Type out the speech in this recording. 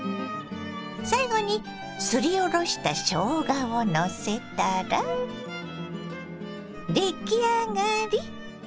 最後にすりおろしたしょうがをのせたら出来上がり。